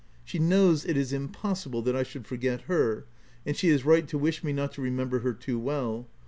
She knows it is impossible that I should forget her ; and she is right to wish me not to remember her too well.